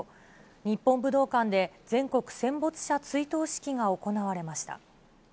日本武道館で、全国戦没者追悼式が行われました。